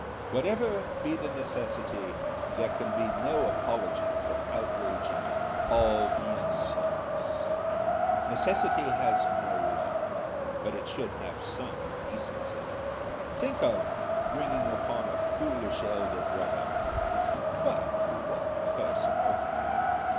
Whatever be the necessity, there can be no apology for outraging all bienséance. Necessity has no law, but it should have some decency. Think of, bringing upon a foolish elder brother But we won't be personal."